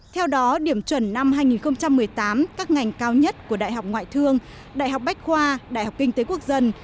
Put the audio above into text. theo đó điểm chuẩn năm hai nghìn một mươi tám các ngành cao nhất của đại học ngoại thương đại học bách khoa đại học kinh tế quốc dân